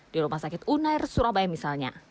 di rumah sakit unair surabaya misalnya